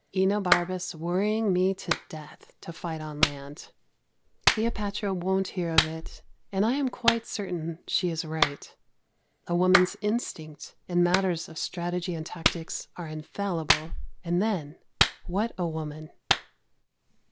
Enobarbus worrying me to death to fight on land. Cleopatra won't hear of it, and I am quite certain she is right. A woman's instinct in matters of strategy and tactics are infallible; and then what a woman!